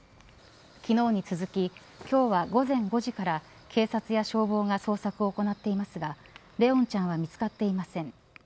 昨日に続き今日は午前５時から警察や消防が捜索を行っていますが怜音ちゃんは見つかっていません。